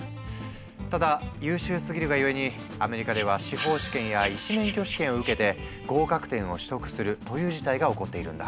ただ優秀すぎるがゆえにアメリカでは司法試験や医師免許試験を受けて合格点を取得するという事態が起こっているんだ。